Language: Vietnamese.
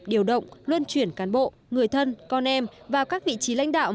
điều động luân chuyển cán bộ người thân con em vào các vị trí lãnh đạo